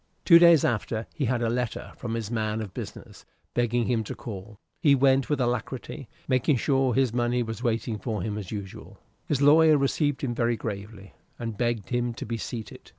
Two days after he had a letter from his man of business, begging him to call. He went with alacrity, making sure his money was waiting for him as usual. His lawyer received him very gravely, and begged him to be seated.